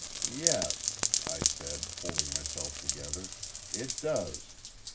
"Yes," I said, holding myself together, "it does.